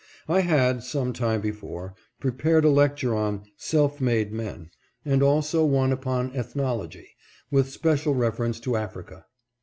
I had, some time before, prepared a lecture on " Self made Men," and also one upon Ethnology, with special reference to Africa.